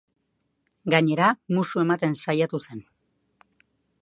Gainera, musu ematen saiatu zen.